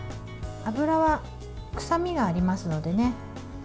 脂は臭みがありますのでね。